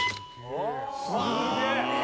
すげえ！